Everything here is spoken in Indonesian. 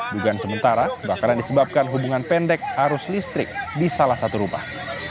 dugaan sementara kebakaran disebabkan hubungan pendek arus listrik di salah satu rumah